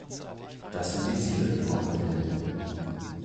Das sind die Ziele, Frau Präsidentin.